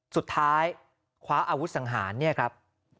สุดท้ายคว้าอาวุธสังหารเนี่ยครับ